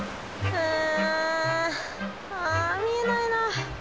うん見えないな。